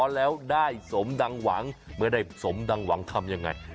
แล้วได้สมดังหวังเมื่อได้สมดังหวังทำยังไง